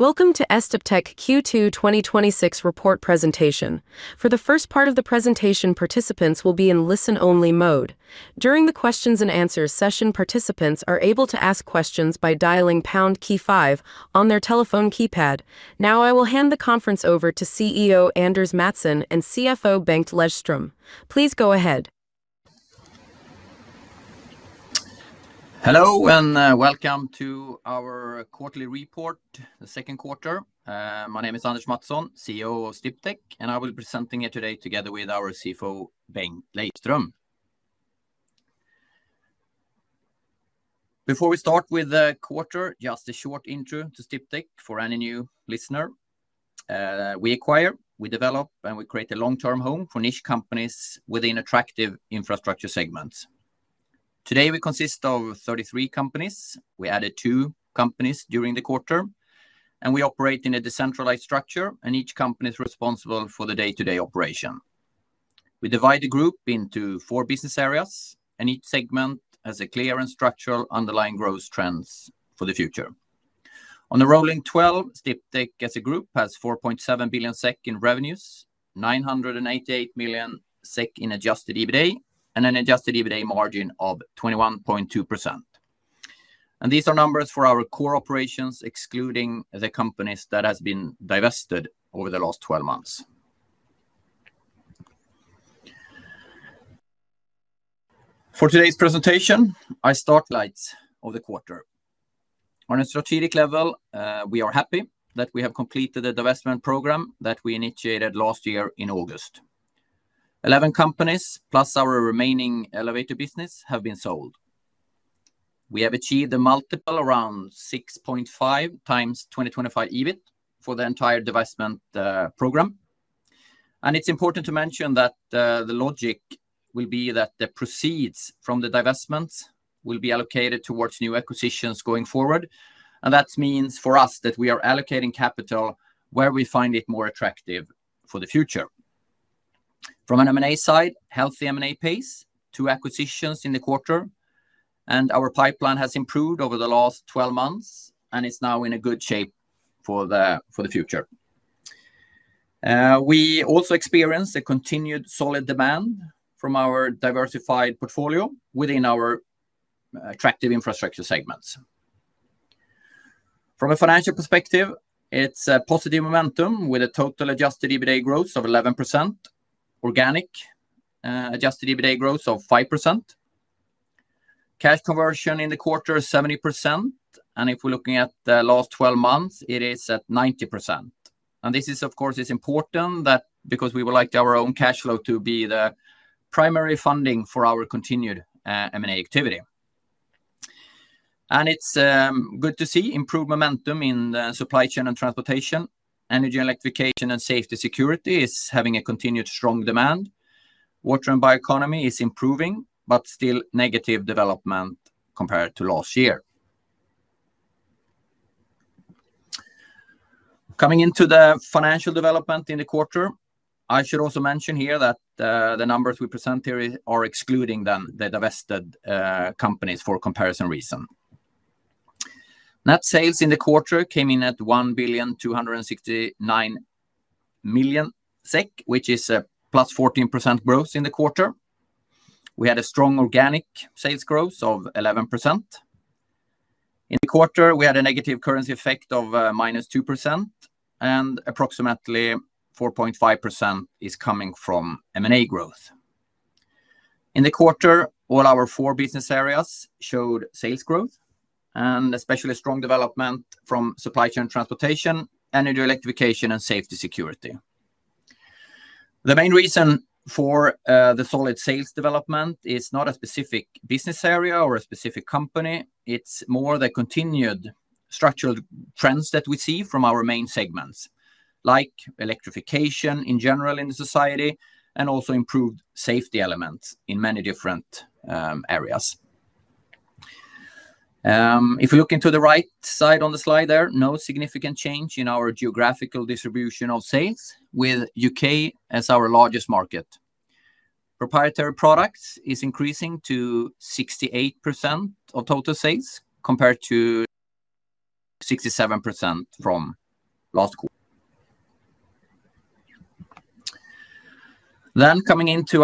Welcome to Sdiptech Q2 2026 report presentation. For the first part of the presentation, participants will be in listen-only mode. During the questions-and-answers session, participants are able to ask questions by dialing pound key five on their telephone keypad. Now I will hand the conference over to CEO Anders Mattson and CFO Bengt Lejdström. Please go ahead. Hello, welcome to our quarterly report, the second quarter. My name is Anders Mattson, CEO of Sdiptech, and I will be presenting it today together with our CFO, Bengt Lejdström. Before we start with the quarter, just a short intro to Sdiptech for any new listener. We acquire, we develop, and we create a long-term home for niche companies within attractive infrastructure segments. Today, we consist of 33 companies. We added two companies during the quarter, and we operate in a decentralized structure, and each company is responsible for the day-to-day operation. We divide the group into four business areas, and each segment has a clear and structural underlying growth trends for the future. On a rolling 12, Sdiptech as a group has 4.7 billion SEK in revenues, 988 million SEK in adjusted EBITDA, and an adjusted EBITDA margin of 21.2%. These are numbers for our core operations, excluding the companies that have been divested over the last 12 months. For today's presentation, I start with lights of the quarter. On a strategic level, we are happy that we have completed the divestment program that we initiated last year in August. Eleven companies, plus our remaining elevator business, have been sold. We have achieved a multiple around 6.5x 2025 EBIT for the entire divestment program. It's important to mention that the logic will be that the proceeds from the divestments will be allocated towards new acquisitions going forward. That means, for us, that we are allocating capital where we find it more attractive for the future. From an M&A side, healthy M&A pace, two acquisitions in the quarter, and our pipeline has improved over the last 12 months, and it's now in a good shape for the future. We also experienced a continued solid demand from our diversified portfolio within our attractive infrastructure segments. From a financial perspective, it's a positive momentum with a total adjusted EBITDA growth of 11%, organic adjusted EBITDA growth of 5%. Cash conversion in the quarter is 70%, and if we're looking at the last 12 months, it is at 90%. This is, of course, it's important that because we would like our own cash flow to be the primary funding for our continued M&A activity. It's good to see improved momentum in the Supply Chain & Transportation. Energy & Electrification, and Safety & Security is having a continued strong demand. Water and Bioeconomy is improving, but still negative development compared to last year. I should also mention here that the numbers we present here are excluding the divested companies for comparison reason. Net sales in the quarter came in at 1.269 billion, which is a +14% growth in the quarter. We had a strong organic sales growth of 11%. In the quarter, we had a negative currency effect of -2%, and approximately 4.5% is coming from M&A growth. In the quarter, all our four business areas showed sales growth, and especially strong development from Supply Chain & Transportation, Energy & Electrification, and Safety & Security. The main reason for the solid sales development is not a specific business area or a specific company. It is more the continued structural trends that we see from our main segments, like electrification in general in the society and also improved safety elements in many different areas. If you look into the right side on the slide there, no significant change in our geographical distribution of sales, with U.K. as our largest market. Proprietary products is increasing to 68% of total sales compared to 67% from last quarter.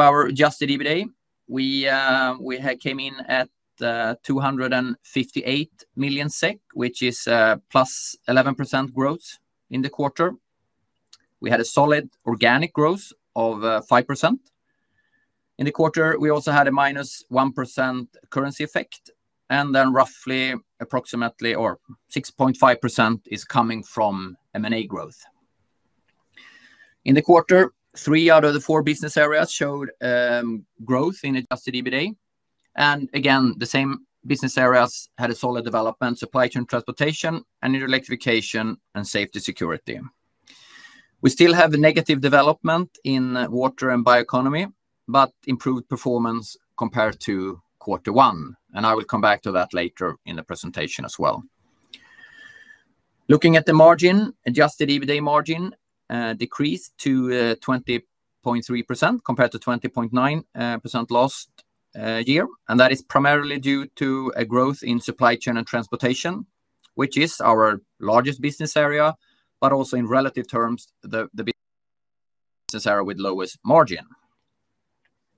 Our adjusted EBITDA, we had come in at 258 million SEK, which is a +11% growth in the quarter. We had a solid organic growth of 5%. In the quarter, we also had a -1% currency effect, and 6.5% is coming from M&A growth. In the quarter, three out of the four business areas showed growth in adjusted EBITDA, and again, the same business areas had a solid development, Supply Chain & Transportation, Energy & Electrification, and Safety & Security. We still have a negative development in Water & Bioeconomy, but improved performance compared to Q1, and I will come back to that later in the presentation as well. Looking at the margin, adjusted EBITDA margin decreased to 20.3% compared to 20.9% last year, and that is primarily due to a growth in Supply Chain & Transportation, which is our largest business area, but also in relative terms, the business area with lowest margin.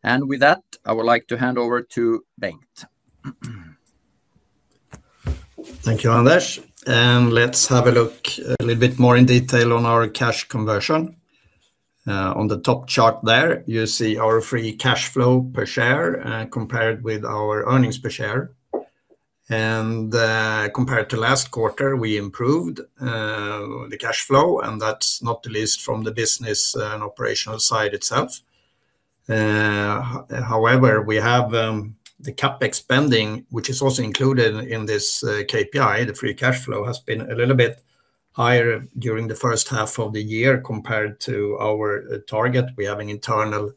With that, I would like to hand over to Bengt. Thank you, Anders. Let us have a look a little bit more in detail on our cash conversion. On the top chart there, you see our free cash flow per share, compared with our earnings per share. Compared to last quarter, we improved the cash flow, and that is not the least from the business and operational side itself. However, we have the CapEx spending, which is also included in this KPI. The free cash flow has been a little bit higher during the first half of the year compared to our target. We have an internal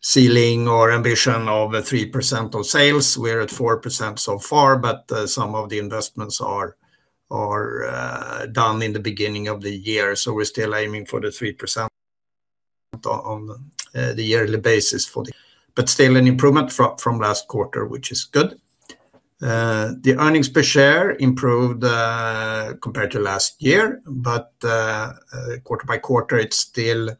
ceiling or ambition of 3% of sales. We are at 4% so far, but some of the investments are down in the beginning of the year, so we are still aiming for the 3% on the yearly basis. But still an improvement from last quarter, which is good. The earnings per share improved compared to last year, but quarter by quarter, it's still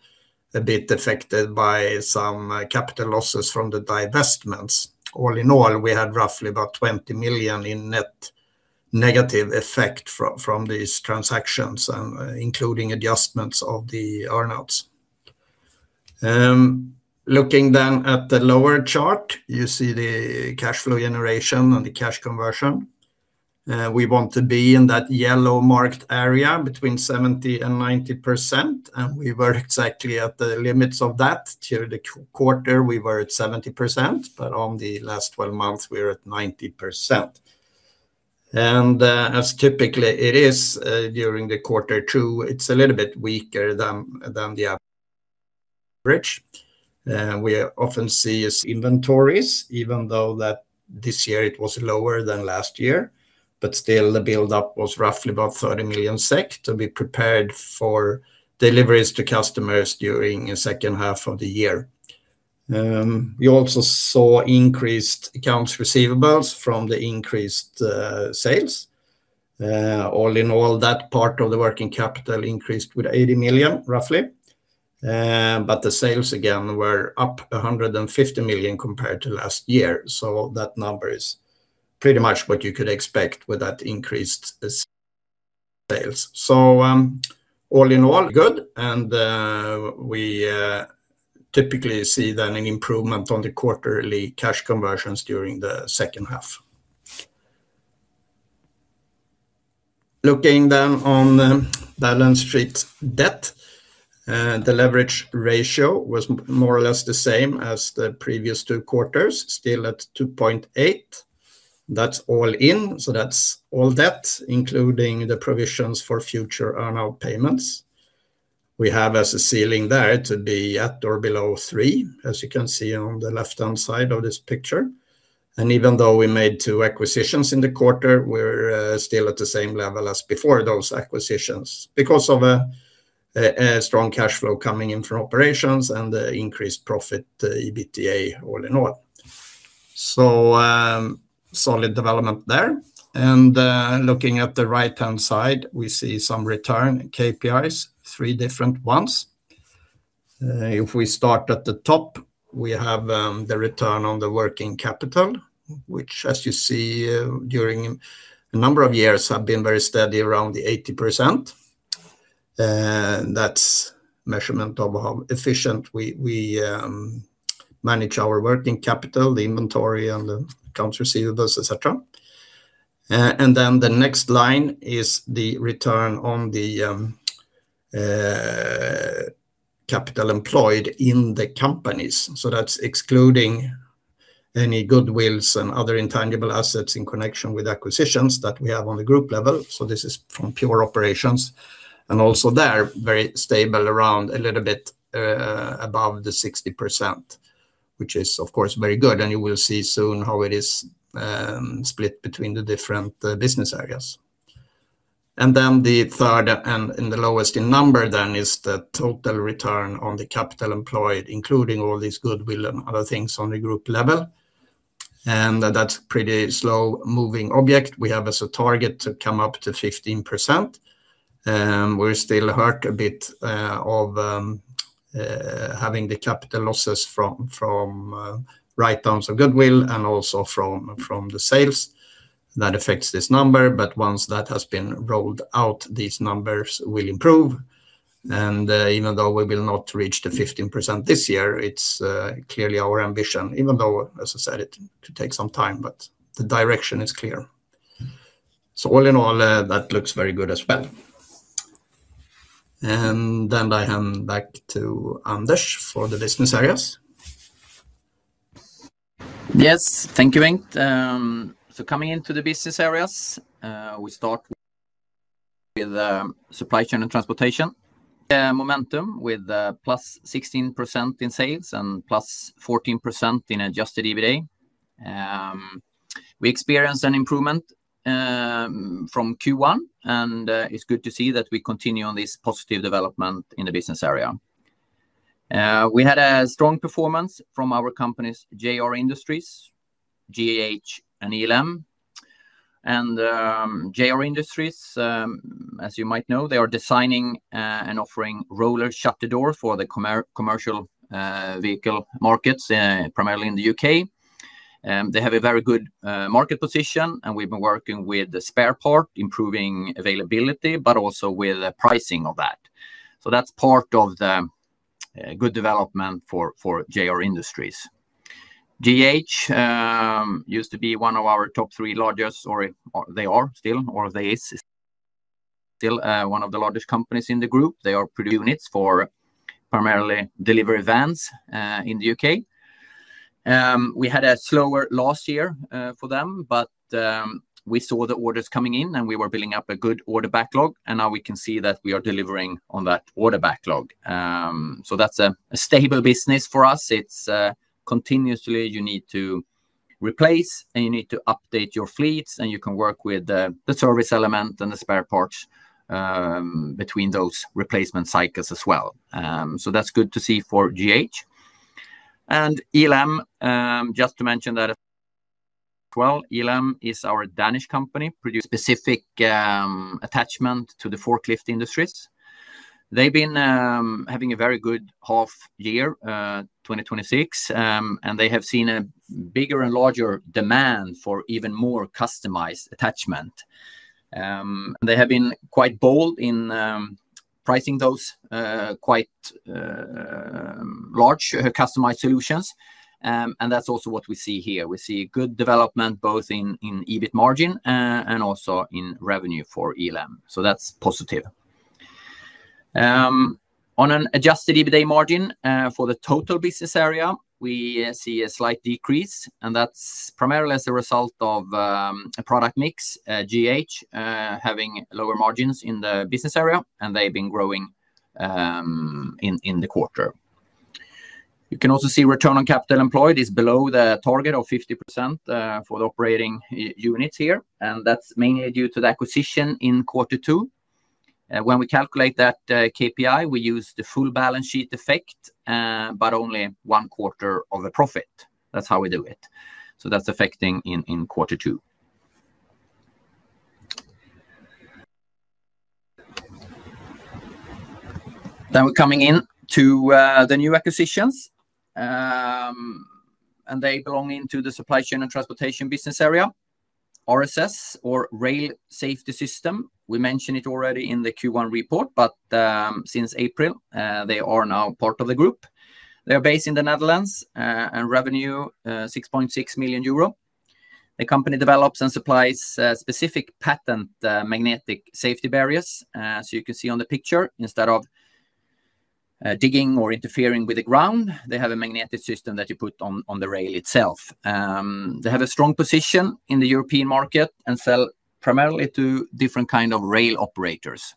a bit affected by some capital losses from the divestments. All in all, we had roughly about 20 million in net negative effect from these transactions, including adjustments of the earn-outs. Looking then at the lower chart, you see the cash flow generation and the cash conversion. We want to be in that yellow marked area between 70%-90%, and we were exactly at the limits of that. Through the quarter, we were at 70%, but on the last 12 months, we are at 90%. As typically it is during Q2, it's a little bit weaker than the average. We often see inventories, even though that this year it was lower than last year, but still the buildup was roughly about 30 million SEK to be prepared for deliveries to customers during the second half of the year. We also saw increased accounts receivables from the increased sales. All in all, that part of the working capital increased with 80 million roughly. The sales again were up 150 million compared to last year, so that number is pretty much what you could expect with that increased sales. All in all, good and we typically see then an improvement on the quarterly cash conversions during the second half. Looking then on the balance sheet debt. The leverage ratio was more or less the same as the previous two quarters, still at 2.8x. That's all-in, so that's all debt, including the provisions for future earn-out payments. We have as a ceiling there to be at or below 3x, as you can see on the left-hand side of this picture. Even though we made two acquisitions in the quarter, we're still at the same level as before those acquisitions because of a strong cash flow coming in from operations and the increased profit EBITDA all in all. Solid development there. Looking at the right-hand side, we see some return KPIs, three different ones. If we start at the top, we have the return on the working capital, which, as you see, during a number of years have been very steady around the 80%. That's measurement of how efficient we manage our working capital, the inventory and the accounts receivables, et cetera. Then the next line is the return on the capital employed in the companies. That's excluding any goodwills and other intangible assets in connection with acquisitions that we have on the group level. This is from pure operations. Also there, very stable around a little bit above the 60%, which is, of course, very good. You will see soon how it is split between the different business areas. Then the third and the lowest in number then is the total return on the capital employed, including all these goodwill and other things on the group level. That's pretty slow-moving object. We have as a target to come up to 15%, we're still hurt a bit of having the capital losses from write-downs of goodwill and also from the sales that affects this number. But once that has been rolled out, these numbers will improve. Even though we will not reach the 15% this year, it's clearly our ambition, even though, as I said, it could take some time, the direction is clear. All in all, that looks very good as well. Then I hand back to Anders for the business areas. Yes, thank you, Bengt. Coming into the business areas, we start with Supply Chain & Transportation momentum with +16% in sales and +14% in adjusted EBITDA. We experienced an improvement from Q1, it's good to see that we continue on this positive development in the business area. We had a strong performance from our companies, JR Industries, GEH, and ELAM. JR Industries, as you might know, they are designing and offering roller shutter doors for the commercial vehicle markets, primarily in the U.K. They have a very good market position, we've been working with the spare part, improving availability, but also with the pricing of that. That's part of the good development for JR Industries. GEH used to be one of our top three largest, or they is still one of the largest companies in the group. They are producing units for primarily delivery vans in the U.K. We had a slower last year for them, we saw the orders coming in and we were building up a good order backlog, now we can see that we are delivering on that order backlog. That's a stable business for us. It's continuously, you need to replace and you need to update your fleets, you can work with the service element and the spare parts between those replacement cycles as well. That's good to see for GEH and ELAM, just to mention that as well, ELAM is our Danish company, produce specific attachment to the forklift industries. They've been having a very good half year, 2026. They have seen a bigger and larger demand for even more customized attachment. They have been quite bold in pricing those quite large customized solutions. That's also what we see here. We see good development both in EBIT margin, also in revenue for ELAM. That's positive. On an adjusted EBITDA margin for the total business area, we see a slight decrease, that's primarily as a result of a product mix, GEH having lower margins in the business area, they've been growing in the quarter. You can also see return on capital employed is below the target of 50% for the operating units here. That's mainly due to the acquisition in Q2. When we calculate that KPI, we use the full balance sheet effect, only one quarter of the profit. That's how we do it. That's affecting in Q2. We're coming in to the new acquisitions. They belong into the Supply Chain & Transportation business area, RSS or Rail Safety Systems. We mentioned it already in the Q1 report, but since April, they are now part of the group. They're based in the Netherlands. Revenue 6.6 million euro. The company develops and supplies specific patent magnetic safety barriers. You can see on the picture, instead of digging or interfering with the ground, they have a magnetic system that you put on the rail itself. They have a strong position in the European market and sell primarily to different kind of rail operators.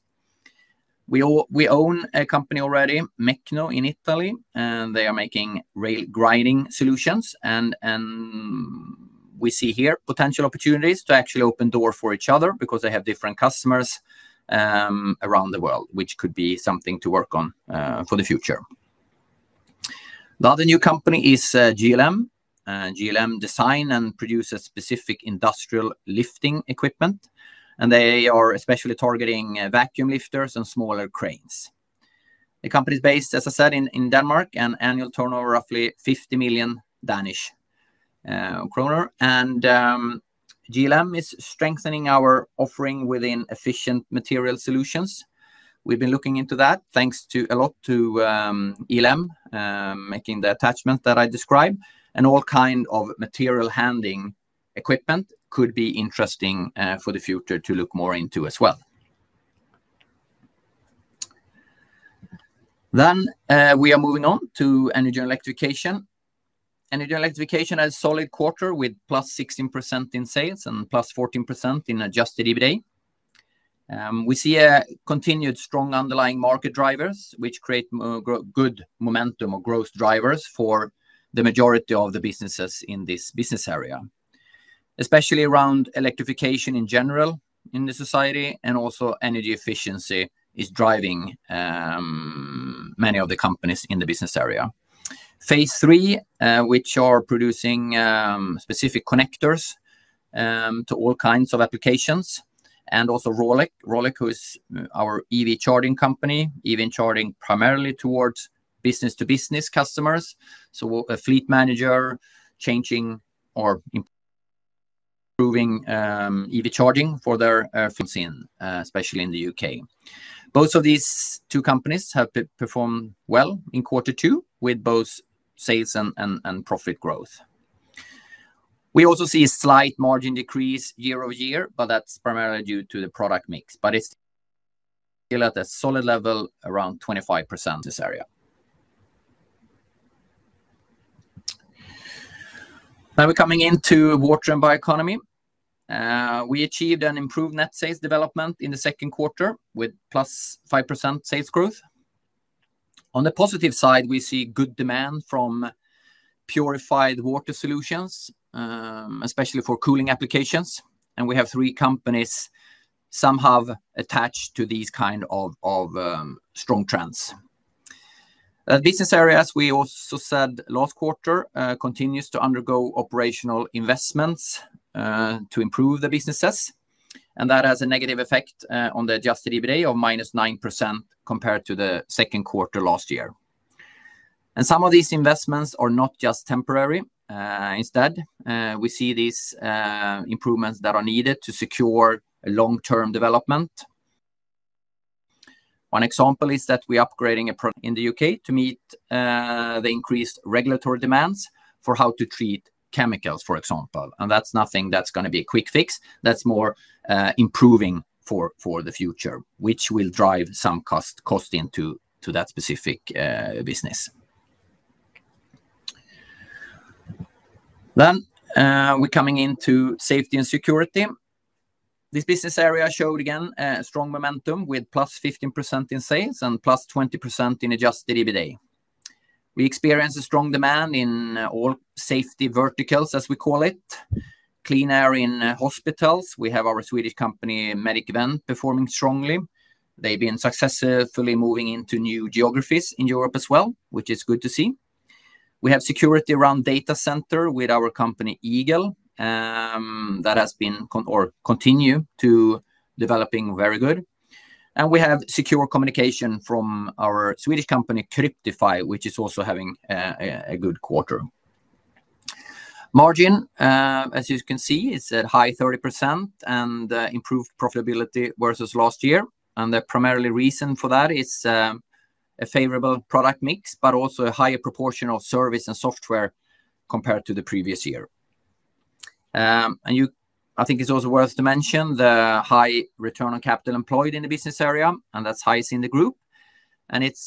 We own a company already, Mecno in Italy. They are making rail grinding solutions. We see here potential opportunities to actually open door for each other because they have different customers around the world, which could be something to work on for the future. The other new company is JLM. JLM design and produces specific industrial lifting equipment. They are especially targeting vacuum lifters and smaller cranes. The company's based, as I said, in Denmark. Annual turnover roughly 50 million Danish kroner. JLM is strengthening our offering within efficient material solutions. We've been looking into that. Thanks a lot to ELAM making the attachment that I described and all kind of material handling equipment could be interesting for the future to look more into as well. We are moving on to Energy & Electrification. Energy & Electrification has solid quarter with +16% in sales and +14% in adjusted EBITDA. We see a continued strong underlying market drivers, which create good momentum or growth drivers for the majority of the businesses in this business area, especially around electrification in general in the society and also energy efficiency is driving many of the companies in the business area. Phase 3, which are producing specific connectors to all kinds of applications. Also Rolec. Rolec, who is our EV charging company, EV charging primarily towards business-to-business customers. A fleet manager changing or improving EV charging for their fleet, especially in the U.K. Both of these two companies have performed well in quarter two with both sales and profit growth. We also see a slight margin decrease year-over-year, but that's primarily due to the product mix. It's still at a solid level around 25% this area. We're coming into Water & Bioeconomy. We achieved an improved net sales development in the second quarter with +5% sales growth. On the positive side, we see good demand from purified water solutions, especially for cooling applications. We have three companies somehow attached to these kind of strong trends. Business areas, we also said last quarter, continues to undergo operational investments to improve the businesses. That has a negative effect on the adjusted EBITDA of -9% compared to the second quarter last year. Some of these investments are not just temporary. Instead, we see these improvements that are needed to secure long-term development. One example is that we're upgrading a product in the U.K. to meet the increased regulatory demands for how to treat chemicals, for example. That's nothing that's going to be a quick fix. That's more improving for the future, which will drive some cost into that specific business. We're coming into Safety & Security. This business area showed again strong momentum with +15% in sales and +20% in adjusted EBITDA. We experienced a strong demand in all safety verticals, as we call it. Clean air in hospitals. We have our Swedish company, Medicvent, performing strongly. They've been successfully moving into new geographies in Europe as well, which is good to see. We have security around data center with our company Eagle. That has been, or continue to developing very good. We have secure communication from our Swedish company, Cryptify, which is also having a good quarter. Margin, as you can see, is at high 30% and improved profitability versus last year. The primary reason for that is a favorable product mix, but also a higher proportion of service and software compared to the previous year. I think it's also worth to mention the high return on capital employed in the business area, and that's highest in the group.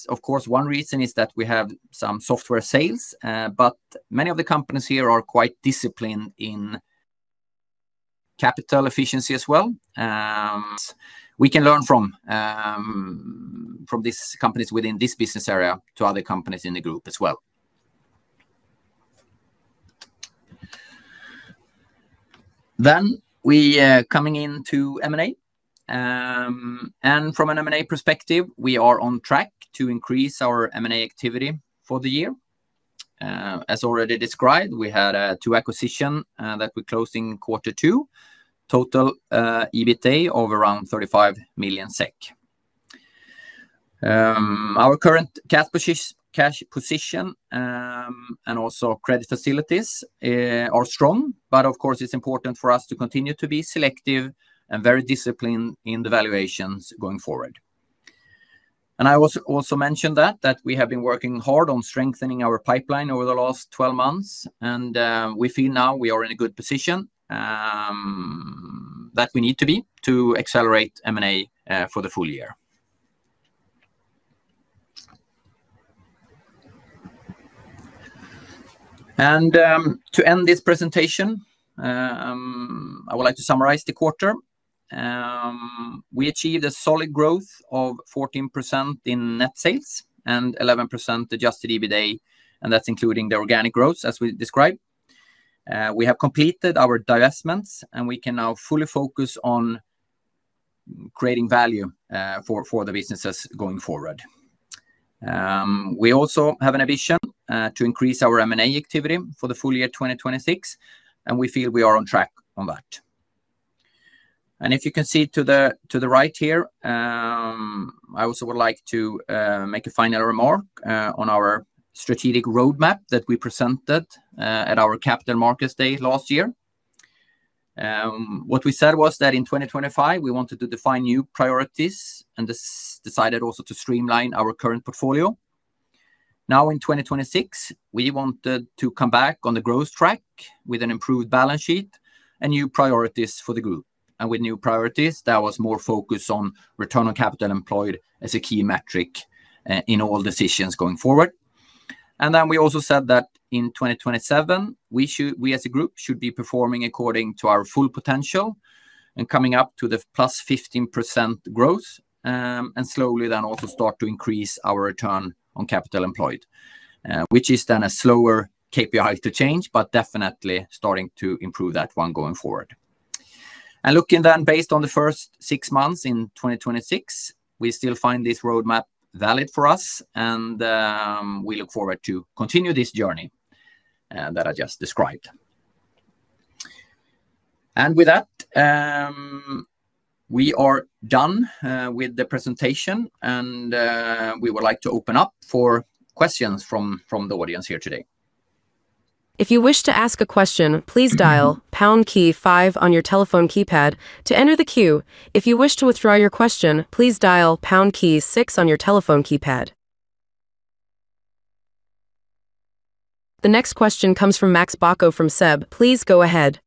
Of course, one reason is that we have some software sales, but many of the companies here are quite disciplined in capital efficiency as well. We can learn from these companies within this business area to other companies in the group as well. We coming into M&A. From an M&A perspective, we are on track to increase our M&A activity for the year. As already described, we had two acquisition that we closed in quarter two, total EBITDA of around 35 million SEK. Our current cash position, also credit facilities are strong, of course, it's important for us to continue to be selective and very disciplined in the valuations going forward. I also mentioned that we have been working hard on strengthening our pipeline over the last 12 months, we feel now we are in a good position that we need to be to accelerate M&A for the full year. To end this presentation, I would like to summarize the quarter. We achieved a solid growth of 14% in net sales and 11% adjusted EBITDA, that's including the organic growth, as we described. We have completed our divestments, we can now fully focus on creating value for the businesses going forward. We also have an ambition to increase our M&A activity for the full year 2026, we feel we are on track on that. If you can see to the right here, I also would like to make a final remark on our strategic roadmap that we presented at our Capital Markets Day last year. What we said was that in 2025, we wanted to define new priorities and decided also to streamline our current portfolio. Now, in 2026, we wanted to come back on the growth track with an improved balance sheet and new priorities for the group. With new priorities, that was more focused on return on capital employed as a key metric in all decisions going forward. We also said that in 2027, we as a group should be performing according to our full potential and coming up to the +15% growth, and slowly then also start to increase our return on capital employed which is then a slower KPI to change, but definitely starting to improve that one going forward. Looking then based on the first six months in 2026, we still find this roadmap valid for us, and we look forward to continue this journey that I just described. With that, we are done with the presentation, and we would like to open up for questions from the audience here today. If you wish to ask a question, please dial pound key five on your telephone keypad to enter the queue. If you wish to withdraw your question, please dial pound key six on your telephone keypad. The next question comes from Max Bacco from SEB. Please go ahead.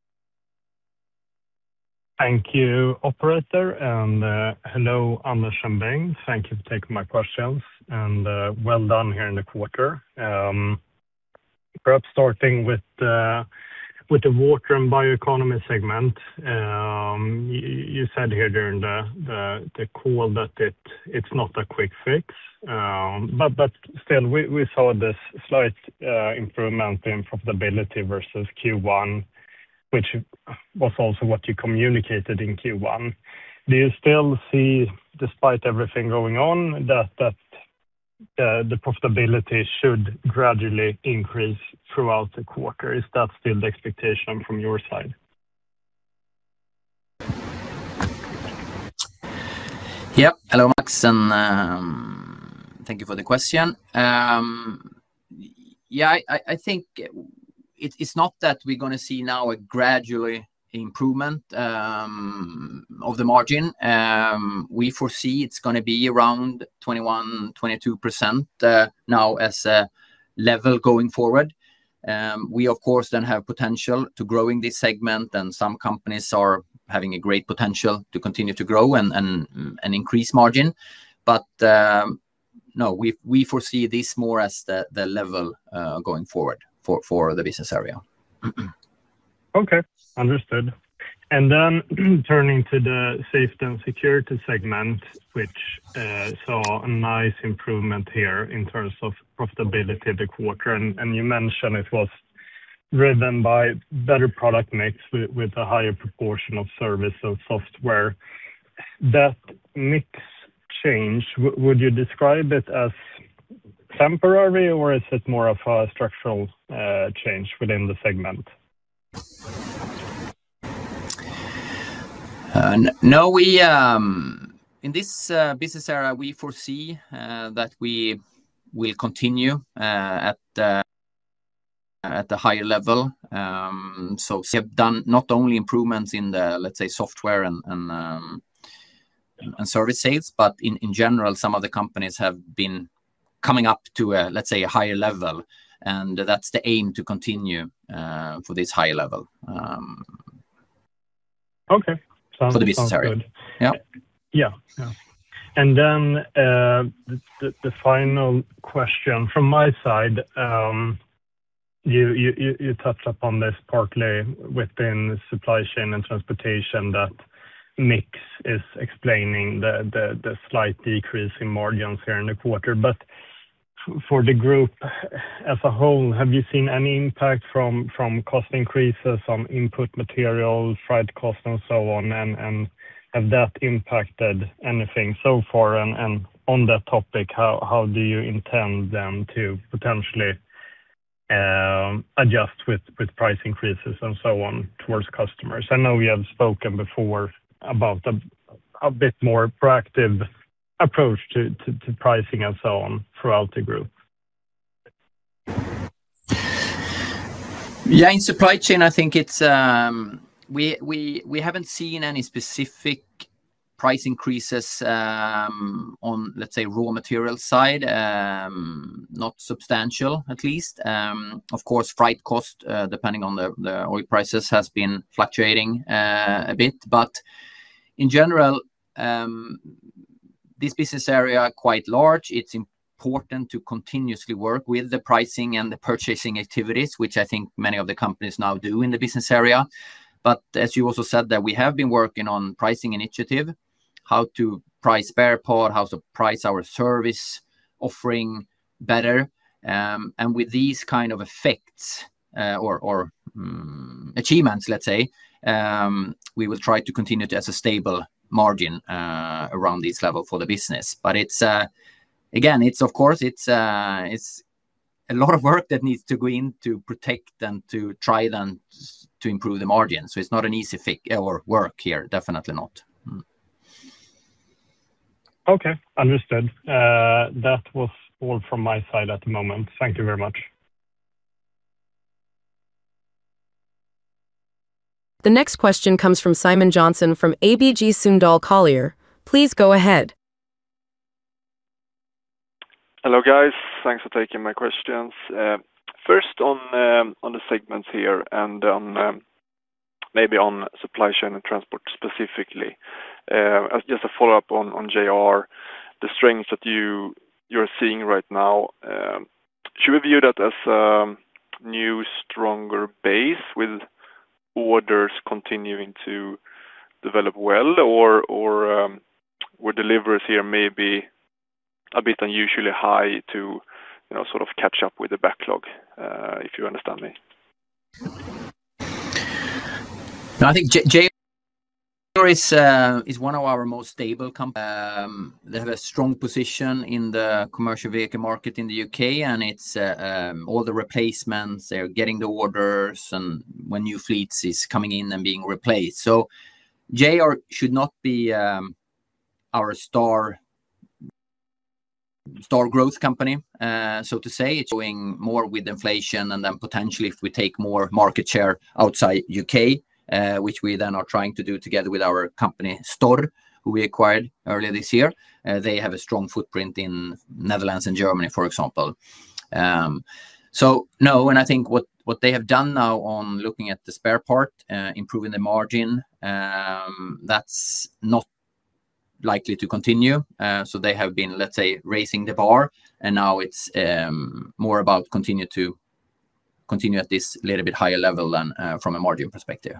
Thank you, operator. Hello, Anders and Bengt. Thank you for taking my questions, and well done here in the quarter. Perhaps starting with the Water and Bioeconomy segment. You said here during the call that it's not a quick fix, but still, we saw this slight improvement in profitability versus Q1, which was also what you communicated in Q1. Do you still see, despite everything going on, that the profitability should gradually increase throughout the quarter? Is that still the expectation from your side? Hello, Max, and thank you for the question. I think it's not that we're going to see now a gradual improvement of the margin. We foresee it's going to be around 21%-22% now as a level going forward. We, of course, then have potential to growing this segment, and some companies are having a great potential to continue to grow and increase margin. No, we foresee this more as the level going forward for the business area. Okay. Understood. Turning to the Safety & Security segment, which saw a nice improvement here in terms of profitability the quarter, you mentioned it was driven by better product mix with a higher proportion of service and software. That mix change, would you describe it as temporary, or is it more of a structural change within the segment? No. In this business area, we foresee that we will continue at the higher level. We have done not only improvements in the software and service sales, but in general, some of the companies have been coming up to a higher level, and that's the aim to continue for this high level. Okay. Sounds good. For the business area. Yep. Yeah. The final question from my side, you touched upon this partly within the Supply Chain & Transportation, that mix is explaining the slight decrease in margins here in the quarter. For the group as a whole, have you seen any impact from cost increases on input materials, freight cost, and so on? Have that impacted anything so far? On that topic, how do you intend then to potentially adjust with price increases and so on towards customers? I know we have spoken before about a bit more proactive approach to pricing and so on throughout the group. Yeah, in supply chain, I think we haven't seen any specific price increases on, let's say, raw material side, not substantial at least. Of course, freight cost, depending on the oil prices, has been fluctuating a bit. In general, this business area quite large. It's important to continuously work with the pricing and the purchasing activities, which I think many of the companies now do in the business area. As you also said, that we have been working on pricing initiative, how to price spare part, how to price our service offering better. With these kind of effects or achievements, let's say, we will try to continue to as a stable margin around this level for the business. Again, of course, it's a lot of work that needs to go in to protect and to try and to improve the margin. It's not an easy work here, definitely not. Okay. Understood. That was all from my side at the moment. Thank you very much. The next question comes from Simon Jönsson from ABG Sundal Collier. Please go ahead. Hello, guys. Thanks for taking my questions. On the segments here and maybe on Supply Chain & Transportation specifically, just a follow-up on JR. The strength that you are seeing right now, should we view that as a new, stronger base with orders continuing to develop well? Were deliveries here maybe a bit unusually high to sort of catch up with the backlog, if you understand me? I think JR is one of our most stable companies. They have a strong position in the commercial vehicle market in the U.K., and it is all the replacements, they are getting the orders, and when new fleets is coming in and being replaced. JR should not be our star growth company, so to say. It is going more with inflation, and potentially if we take more market share outside U.K., which we then are trying to do together with our company, STORR, who we acquired earlier this year. They have a strong footprint in Netherlands and Germany, for example. No, I think what they have done now on looking at the spare part, improving the margin, that is not likely to continue. They have been, let us say, raising the bar, and now it is more about continue at this little bit higher level than from a margin perspective.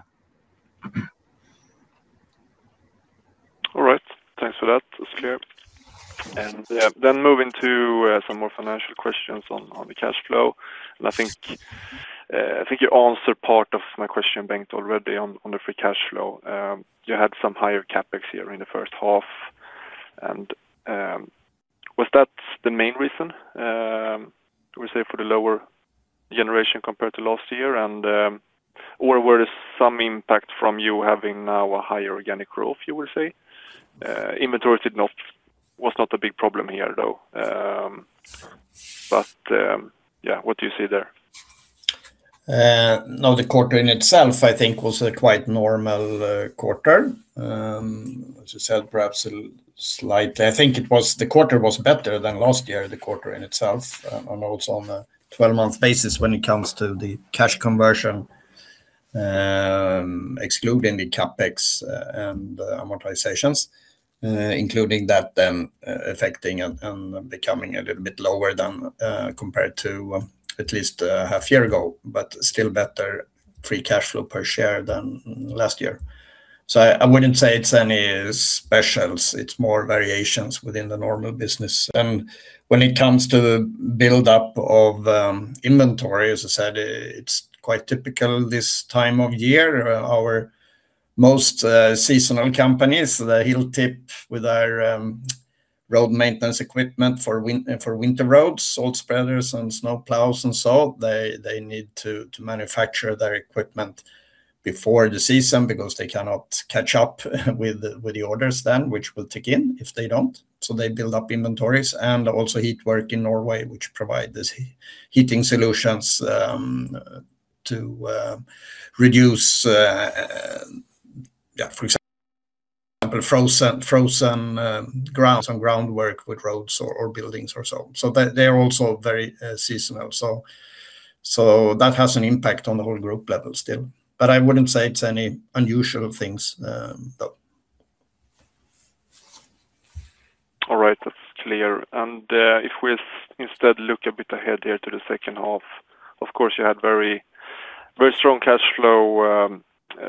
All right. Thanks for that. It is clear. Moving to some more financial questions on the cash flow. I think you answered part of my question, Bengt, already on the free cash flow. You had some higher CapEx here in the first half. Was that the main reason, we say, for the lower generation compared to last year? Were some impact from you having now a higher organic growth, you would say? Inventory was not a big problem here, though. What do you see there? No, the quarter in itself, I think, was a quite normal quarter. As I said, perhaps a little slightly, I think the quarter was better than last year, the quarter in itself, and also on the 12-month basis when it comes to the cash conversion, excluding the CapEx and amortizations, including that then affecting and becoming a little bit lower than compared to at least a half year ago, but still better free cash flow per share than last year. I wouldn't say it's any specials. It's more variations within the normal business. When it comes to buildup of inventory, as I said, it's quite typical this time of year. Our most seasonal companies, the Hilltip with our road maintenance equipment for winter roads, salt spreaders and snowplows and salt, they need to manufacture their equipment before the season because they cannot catch up with the orders then, which will tick in if they don't. They build up inventories and also HeatWork in Norway, which provide these heating solutions to reduce, for example, frozen grounds and groundwork with roads or buildings or so. They're also very seasonal. That has an impact on the whole group level still. I wouldn't say it's any unusual things, though. All right. That's clear. If we instead look a bit ahead here to the second half, of course, you had very strong cash flow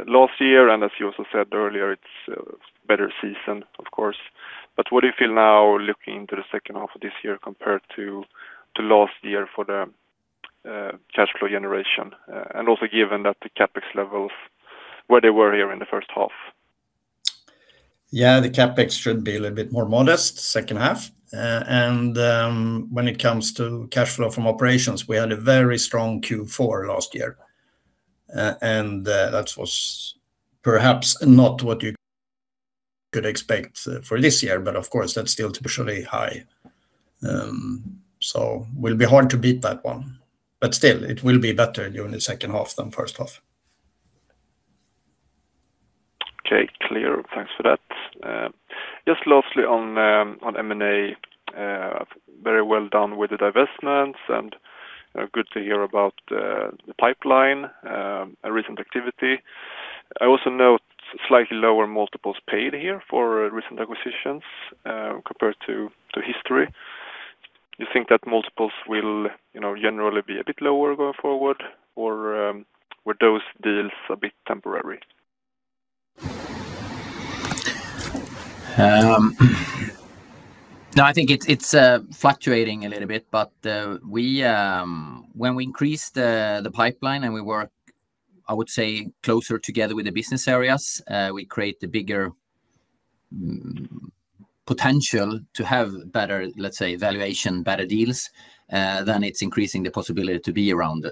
last year, and as you also said earlier, it's a better season, of course. What do you feel now looking to the second half of this year compared to last year for the cash flow generation? Also given that the CapEx levels where they were here in the first half. Yeah, the CapEx should be a little bit more modest second half. When it comes to cash flow from operations, we had a very strong Q4 last year. That was perhaps not what you could expect for this year, but of course, that's still traditionally high. Will be hard to beat that one. Still, it will be better during the second half than first half. Okay. Clear. Thanks for that. Just lastly on M&A, very well done with the divestments, and good to hear about the pipeline, recent activity. I also note slightly lower multiples paid here for recent acquisitions compared to history. You think that multiples will generally be a bit lower going forward, or were those deals a bit temporary? I think it's fluctuating a little bit. When we increase the pipeline and we work, I would say, closer together with the business areas, we create the bigger potential to have better, let's say, valuation, better deals. Then it's increasing the possibility to be around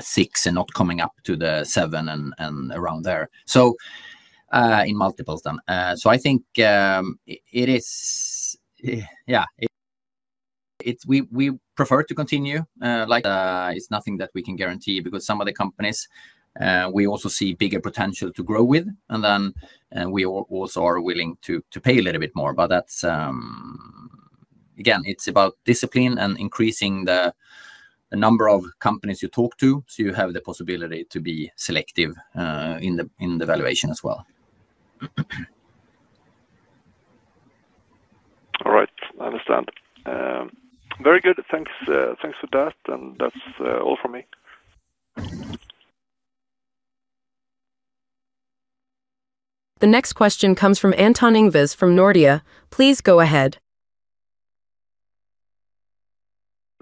six and not coming up to seven and around there, in multiples then. I think we prefer to continue like that. It's nothing that we can guarantee because some of the companies, we also see bigger potential to grow with, and then we also are willing to pay a little bit more. Again, it's about discipline and increasing the number of companies you talk to so you have the possibility to be selective in the valuation as well. All right. I understand. Very good. Thanks for that. That's all from me. The next question comes from Anton Ingves from Nordea. Please go ahead.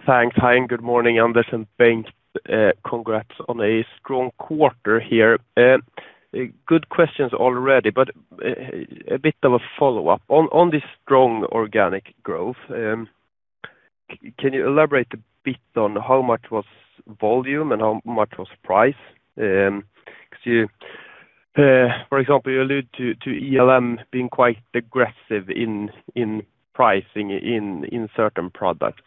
Thanks. Hi, good morning, Anders and Bengt. Congrats on a strong quarter here. Good questions already, a bit of a follow-up. On this strong organic growth, can you elaborate a bit on how much was volume and how much was price? For example, you allude to ELAM being quite aggressive in pricing in certain products.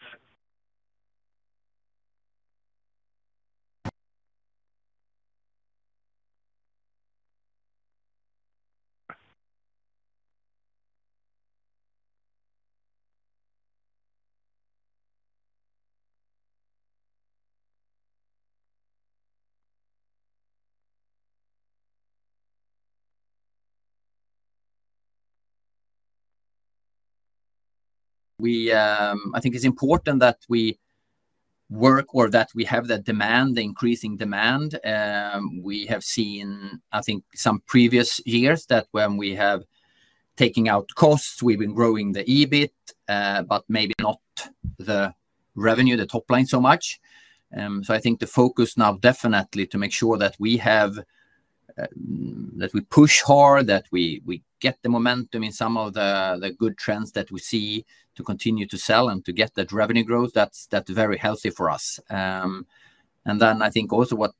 I think it's important that we work or that we have that demand, the increasing demand. We have seen, I think, some previous years that when we have taking out costs, we've been growing the EBIT, maybe not the revenue, the top line so much. I think the focus now definitely to make sure that we push hard, that we get the momentum in some of the good trends that we see to continue to sell and to get that revenue growth. That's very healthy for us. I think also what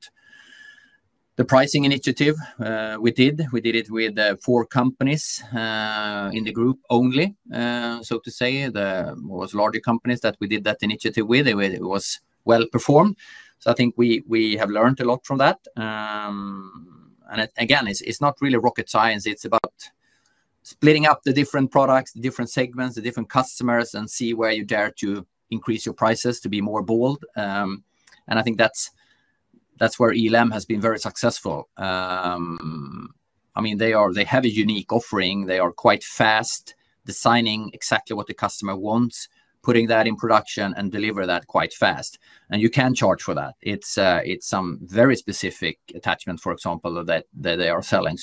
the pricing initiative we did, we did it with four companies in the group only, so to say, the most larger companies that we did that initiative with. It was well-performed. I think we have learned a lot from that. Again, it's not really rocket science. It's about splitting up the different products, the different segments, the different customers, and see where you dare to increase your prices to be more bold. I think that's where ELAM has been very successful. They have a unique offering. They are quite fast, designing exactly what the customer wants, putting that in production, and deliver that quite fast. You can charge for that. It's some very specific attachment, for example, that they are selling.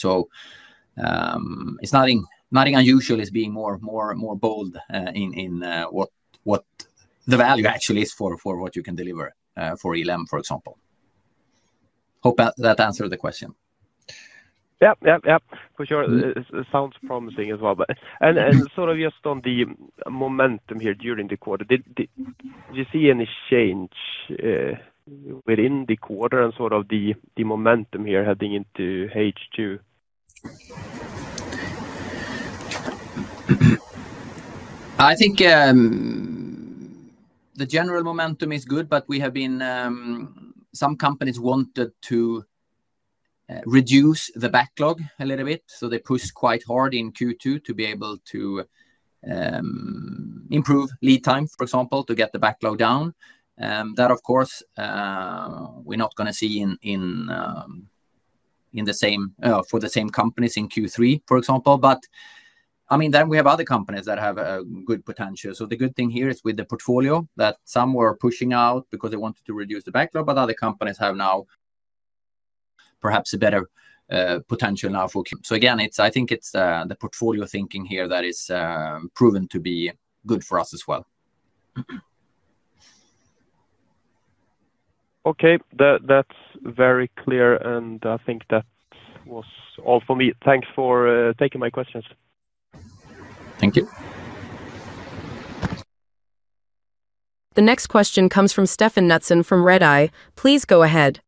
Nothing unusual is being more bold in what the value actually is for what you can deliver for ELAM, for example. Hope that answered the question. Yep. For sure. It sounds promising as well. Just on the momentum here during the quarter, did you see any change within the quarter and sort of the momentum here heading into H2? I think the general momentum is good. Some companies wanted to reduce the backlog a little bit. They pushed quite hard in Q2 to be able to improve lead time, for example, to get the backlog down. That, of course, we're not going to see for the same companies in Q3, for example. We have other companies that have a good potential. The good thing here is with the portfolio that some were pushing out because they wanted to reduce the backlog, but other companies have now perhaps a better potential now. I think it's the portfolio thinking here that is proven to be good for us as well. Okay. That's very clear, and I think that was all for me. Thanks for taking my questions. Thank you. The next question comes from Stefan Knutsson from Redeye. Please go ahead.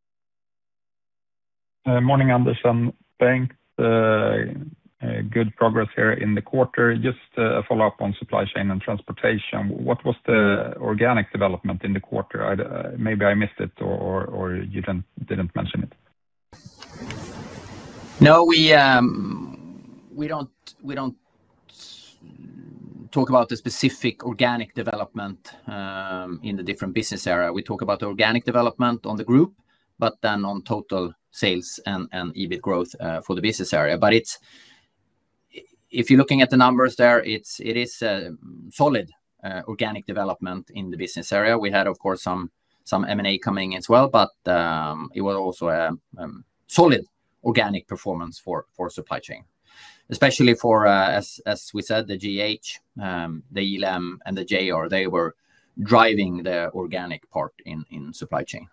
Morning, Anders, and Bengt. Good progress here in the quarter. Just a follow-up on Supply Chain & Transportation. What was the organic development in the quarter? Maybe I missed it or you didn't mention it. We don't talk about the specific organic development in the different business area. We talk about organic development on the group, on total sales and EBIT growth for the business area. If you're looking at the numbers there, it is a solid organic development in the business area. We had, of course, some M&A coming as well, it was also a solid organic performance for Supply Chain. Especially for, as we said, the GEH, the ELAM, and the JR. They were driving the organic part in Supply Chain.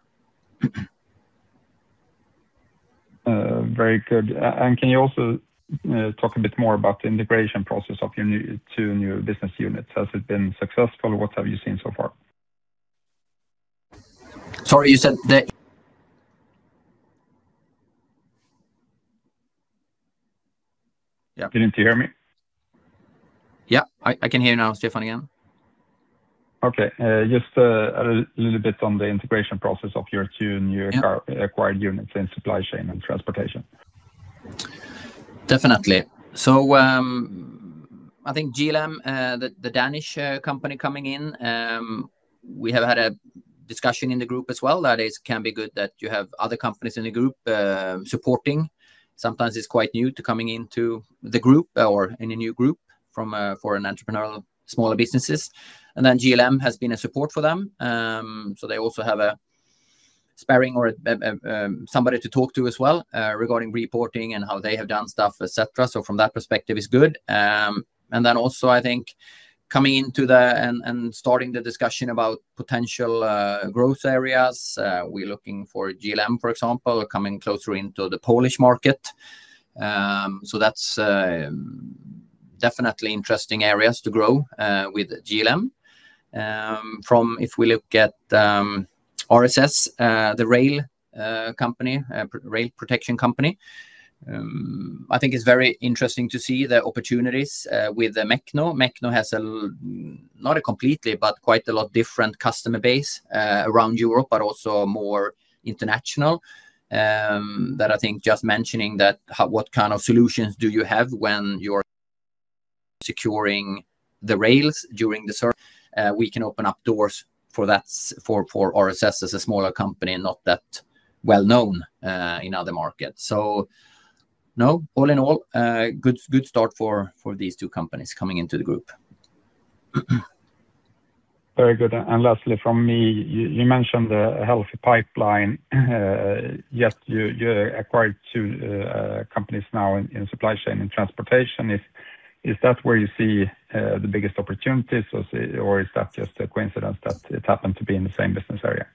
Very good. Can you also talk a bit more about the integration process of your two new business units? Has it been successful? What have you seen so far? Sorry, you said the. Didn't you hear me? Yeah, I can hear you now, Stefan, again. Okay. Just a little bit on the integration process of your two new acquired units in Supply Chain & Transportation. Definitely. I think JLM, the Danish company coming in, we have had a discussion in the group as well that it can be good that you have other companies in the group supporting. Sometimes it's quite new to coming into the group or in a new group for an entrepreneurial smaller businesses. JLM has been a support for them. They also have a sparing or somebody to talk to as well regarding reporting and how they have done stuff, et cetera. From that perspective, it's good. Also I think coming into that and starting the discussion about potential growth areas, we're looking for JLM, for example, coming closer into the Polish market. That's definitely interesting areas to grow with JLM. From if we look at RSS, the rail protection company, I think it's very interesting to see the opportunities with Mecno. Mecno has a, not a completely, but quite a lot different customer base around Europe, but also more international. I think just mentioning that what kind of solutions do you have when you're securing the rails during the summer, we can open up doors for RSS as a smaller company, not that well-known in other markets. All in all, good start for these two companies coming into the group. Very good. Lastly from me, you mentioned a healthy pipeline. You acquired two companies now in Supply Chain & Transportation. Is that where you see the biggest opportunities, or is that just a coincidence that it happened to be in the same business area?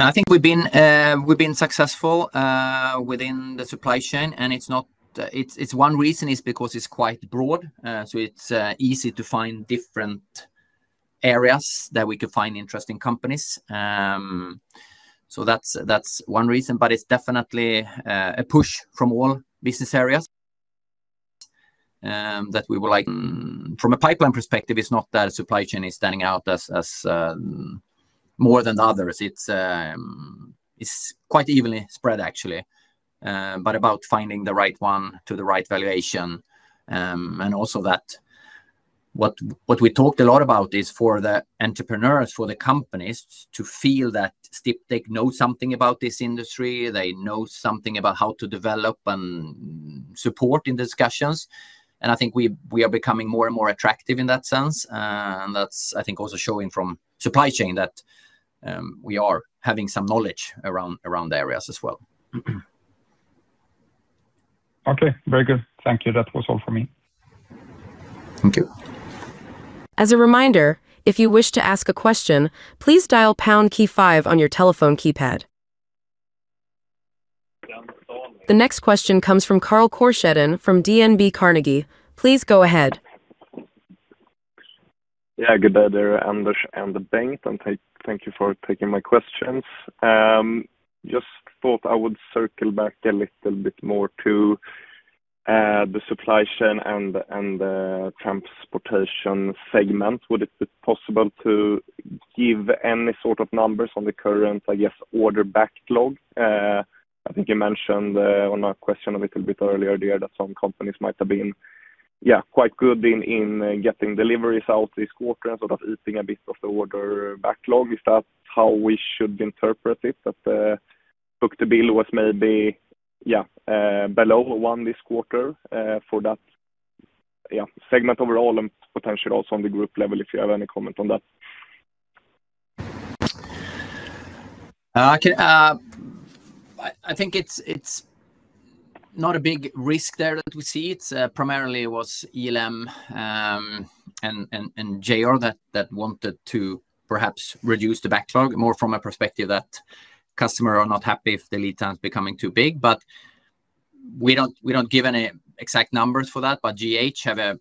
I think we've been successful within the supply chain, one reason is because it's quite broad. It's easy to find different areas that we could find interesting companies. That's one reason, but it's definitely a push from all business areas that we would like. From a pipeline perspective, it's not that a supply chain is standing out as more than others. It's quite evenly spread, actually. About finding the right one to the right valuation. Also what we talked a lot about is for the entrepreneurs, for the companies to feel that Sdiptech know something about this industry, they know something about how to develop and support in discussions. I think we are becoming more and more attractive in that sense. That's, I think, also showing from supply chain that we are having some knowledge around the areas as well. Okay. Very good. Thank you. That was all for me. Thank you. As a reminder, if you wish to ask a question, please dial pound key five on your telephone keypad. The next question comes from Carl Korsheden from DNB Carnegie. Please go ahead. Yeah. Good day there, Anders and Bengt, and thank you for taking my questions. Just thought I would circle back a little bit more to the Supply Chain & Transportation segment. Would it be possible to give any sort of numbers on the current, I guess, order backlog? I think you mentioned on a question a little bit earlier there that some companies might have been quite good in getting deliveries out this quarter and sort of easing a bit of the order backlog. Is that how we should interpret it? That book-to-bill was maybe below one this quarter for that segment overall and potential also on the group level, if you have any comment on that. I think it's not a big risk there that we see. It primarily was ELAM and JR that wanted to perhaps reduce the backlog more from a perspective that customer are not happy if the lead time is becoming too big. We don't give any exact numbers for that. GEH have a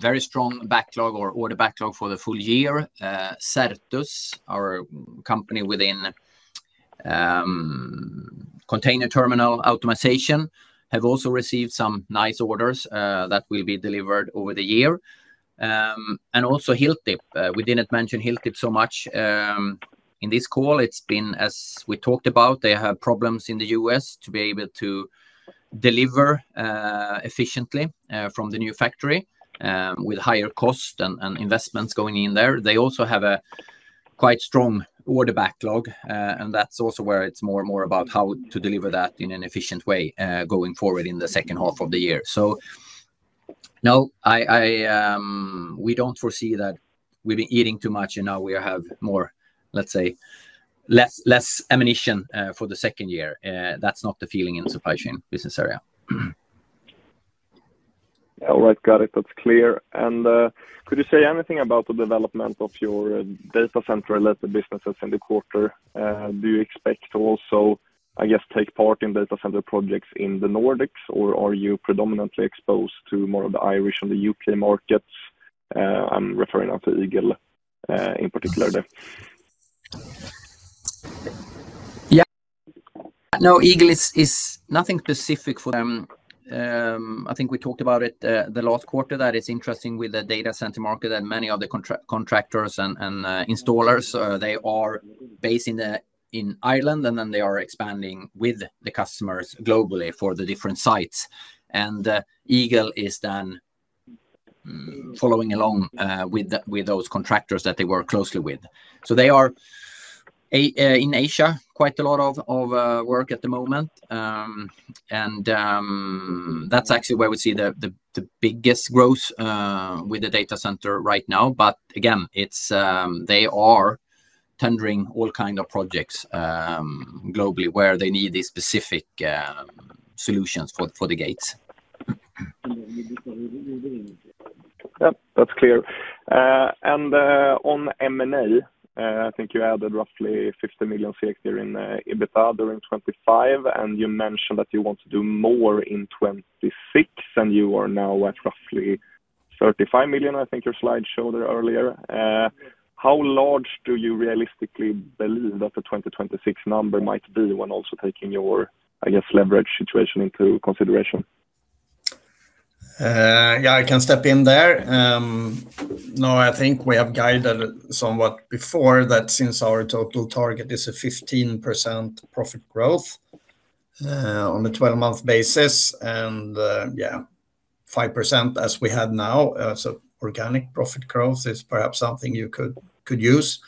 very strong backlog or order backlog for the full year. Certus, our company within container terminal optimization, have also received some nice orders that will be delivered over the year. Also Hilltip. We didn't mention Hilltip so much in this call. It's been, as we talked about, they have problems in the U.S. to be able to deliver efficiently from the new factory, with higher cost and investments going in there. They also have a quite strong order backlog. That's also where it's more and more about how to deliver that in an efficient way going forward in the second half of the year. No, we don't foresee that we've been eating too much and now we have more, let's say, less ammunition for the second year. That's not the feeling in Supply Chain & Transportation business area. All right. Got it. That's clear. Could you say anything about the development of your data center-related businesses in the quarter? Do you expect to also, I guess, take part in data center projects in the Nordics, or are you predominantly exposed to more of the Irish and the U.K. markets? I'm referring to Eagle in particular there. Yeah. No, Eagle is nothing specific for them. I think we talked about it the last quarter that it's interesting with the data center market and many of the contractors and installers, they are based in Ireland, and then they are expanding with the customers globally for the different sites. Eagle is then following along with those contractors that they work closely with. They are in Asia, quite a lot of work at the moment. That's actually where we see the biggest growth with the data center right now. Again, they are tendering all kind of projects globally where they need these specific solutions for the gates. Yep. That's clear. On M&A, I think you added roughly 50 million there in EBITDA during 2025, you mentioned that you want to do more in 2026, you are now at roughly 35 million, I think your slide showed it earlier. How large do you realistically believe that the 2026 number might be when also taking your, I guess, leverage situation into consideration? Yeah, I can step in there. I think we have guided somewhat before that since our total target is a 15% profit growth on a 12-month basis and 5% as we had now. Organic profit growth is perhaps something you could use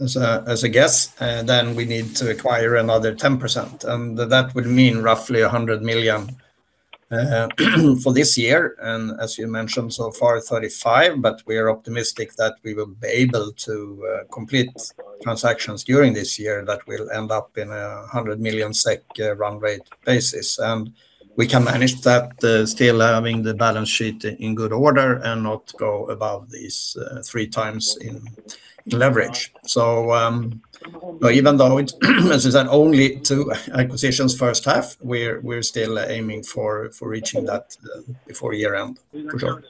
as a guess. We need to acquire another 10%, and that would mean roughly 100 million for this year. As you mentioned, so far, 35, but we are optimistic that we will be able to complete transactions during this year that will end up in a 100 million SEK run rate basis. We can manage that, still having the balance sheet in good order and not go above these 3x in leverage. Even though as you said, only two acquisitions first half, we're still aiming for reaching that before year-end, for sure.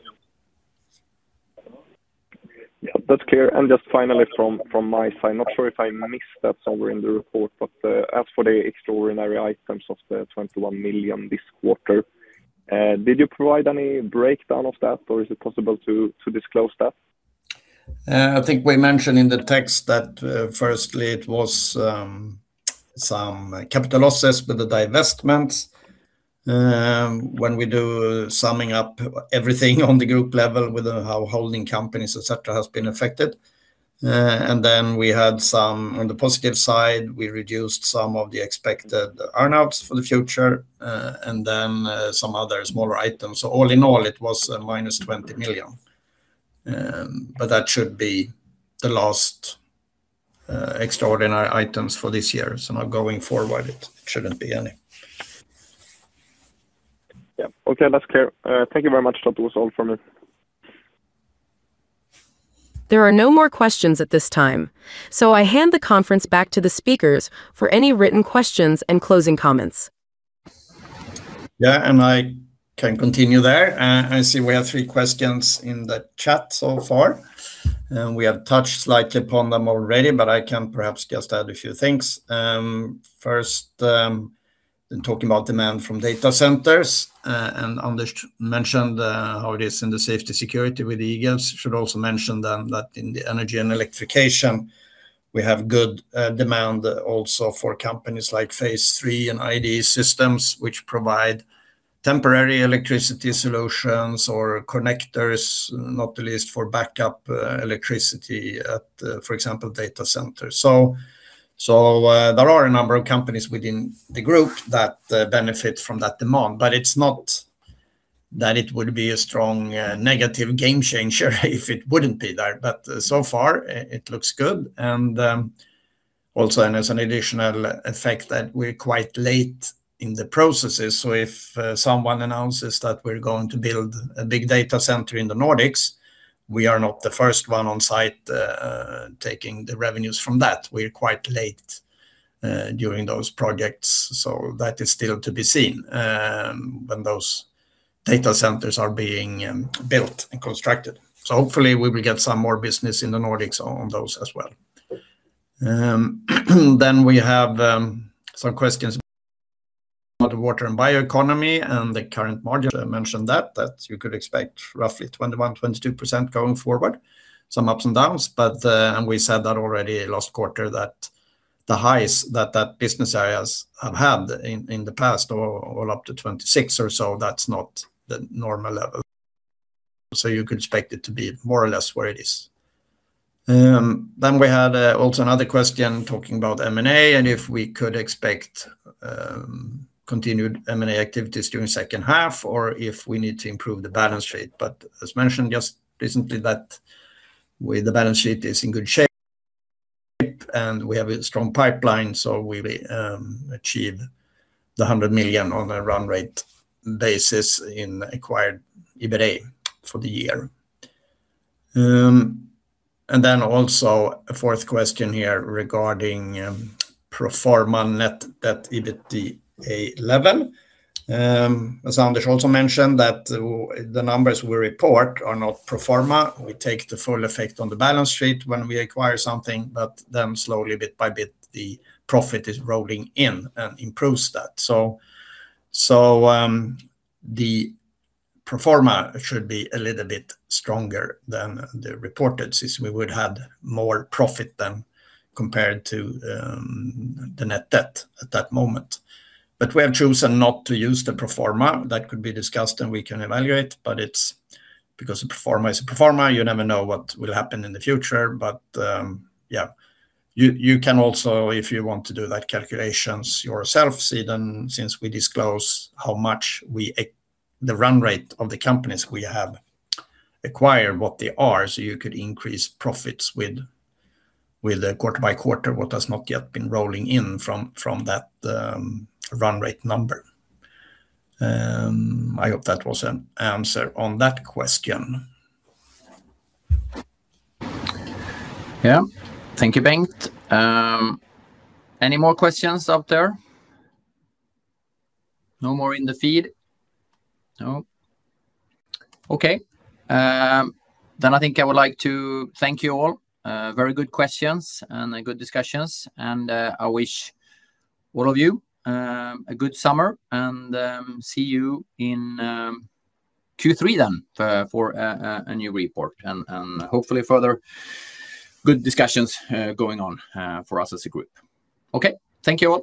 Yeah, that's clear. Just finally from my side, not sure if I missed that somewhere in the report, but as for the extraordinary items of the 21 million this quarter, did you provide any breakdown of that, or is it possible to disclose that? I think we mentioned in the text that firstly it was some capital losses with the divestments. When we do summing up everything on the group level with how holding companies, et cetera, has been affected. On the positive side, we reduced some of the expected earn-outs for the future, and then some other smaller items. All in all, it was a minus 20 million. That should be the last extraordinary items for this year. Now going forward, it shouldn't be any. Yeah. Okay. That's clear. Thank you very much. That was all from me. There are no more questions at this time. I hand the conference back to the speakers for any written questions and closing comments. Yeah, I can continue there. I see we have three questions in the chat so far, we have touched slightly upon them already, but I can perhaps just add a few things. Talking about demand from data centers, Anders mentioned how it is in the Safety & Security with Eagle Automation Systems. Should also mention that in the Energy & Electrification, we have good demand also for companies like Phase 3 and IDE Systems, which provide temporary electricity solutions or connectors, not the least for backup electricity at, for example, data centers. There are a number of companies within the group that benefit from that demand, but it's not that it would be a strong negative game changer if it wouldn't be there. So far, it looks good, and also there's an additional effect that we're quite late in the processes. If someone announces that we're going to build a big data center in the Nordics, we are not the first one on site taking the revenues from that. We're quite late during those projects. That is still to be seen when those data centers are being built and constructed. Hopefully we will get some more business in the Nordics on those as well. We have some questions about the Water & Bioeconomy and the current module. I mentioned that you could expect roughly 21%-22% going forward. Some ups and downs, and we said that already last quarter that the highs that that business area has had in the past, all up to 26%, that's not the normal level. You could expect it to be more or less where it is. We had also another question talking about M&A and if we could expect continued M&A activities during second half, or if we need to improve the balance rate. As mentioned just recently, that the balance sheet is in good shape, and we have a strong pipeline, we achieve the 100 million on a run rate basis in acquired EBITDA for the year. Also a fourth question here regarding pro forma net debt EBITDA level. As Anders also mentioned that the numbers we report are not pro forma. We take the full effect on the balance sheet when we acquire something, but then slowly, bit by bit, the profit is rolling in and improves that. The pro forma should be a little bit stronger than the reported, since we would had more profit than compared to the net debt at that moment. We have chosen not to use the pro forma. That could be discussed, and we can evaluate, but it's because a pro forma is a pro forma, you never know what will happen in the future. You can also, if you want to do that calculations yourself, see then since we disclose how much the run rate of the companies we have acquired, what they are, so you could increase profits with a quarter by quarter what has not yet been rolling in from that run rate number. I hope that was an answer on that question. Yeah. Thank you, Bengt. Any more questions out there? No more in the feed? No. Okay. I think I would like to thank you all. Very good questions and good discussions, and I wish all of you a good summer. See you in Q3 then for a new report and hopefully further good discussions going on for us as a group. Okay. Thank you all.